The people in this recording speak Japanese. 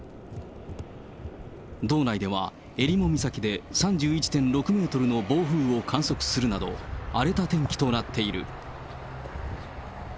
道内では、えりも岬で３１．６メートルの暴風を観測するなど、荒れた天気となっている。